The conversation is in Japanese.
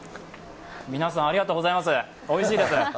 皆さん、ありがとうございます、おいしいです。